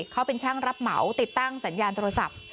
เขาเป็นช่างรับเหมาติดตั้งสัญญาณโทรศัพท์